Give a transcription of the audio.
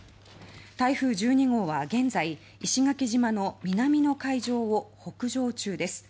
台風１２号は現在石垣島の南の海上を北上中です。